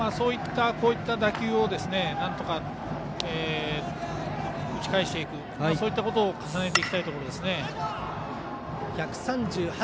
こうした打球をなんとか打ち返していくそういったことを重ねていきたいところです。